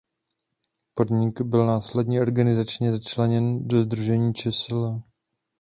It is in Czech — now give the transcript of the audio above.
Podnik byl následně organizačně začleněn do Sdružení čsl.